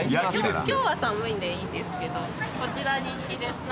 今日は寒いんでいいんですけどこちら人気です。